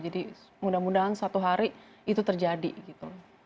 jadi mudah mudahan suatu hari itu terjadi gitu